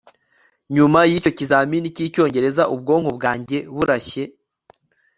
Nyuma yicyo kizamini cyicyongereza ubwonko bwanjye burashye